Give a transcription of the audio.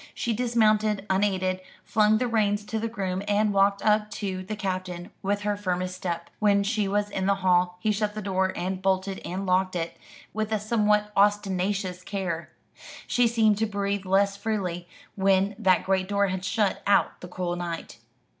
She dismounted unaided, flung the reins to the groom, and walked up to the Captain with her firmest step. When she was in the hall he shut the door, and bolted and locked it with a somewhat ostentatious care. She seemed to breathe less freely when that great door had shut out the cool night.